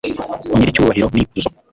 nyir'icyubahiro n'ikuzo